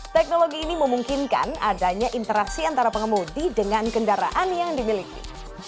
teknologi ini memungkinkan adanya interaksi antara pengemudi dengan kendaraan yang dimiliki